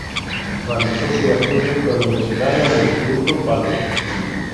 Realizó sus estudios preuniversitarios en el Instituto Patria.